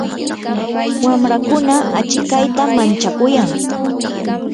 wamrakuna achikayta manchakuyan.